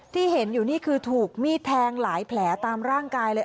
ที่เห็นอยู่นี่คือถูกมีดแทงหลายแผลตามร่างกายเลย